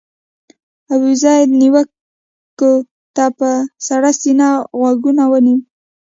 ابوزید نیوکو ته په سړه سینه غوږ ونیو.